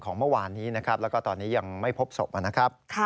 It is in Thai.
ของเมื่อวานนี้แล้วก็ตอนนี้ยังไม่พบศพน่ะครับ